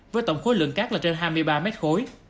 với tổng khối lượng cát là trên hai mươi ba mét khối